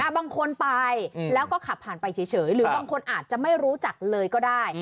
บางคนไปแล้วก็ขับผ่านไปเฉยหรือบางคนอาจจะไม่รู้จักเลยก็ได้